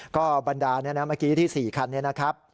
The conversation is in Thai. ก็บรรดาเนี่ยนะเมื่อกี้ที่๔คันนี้นะครับ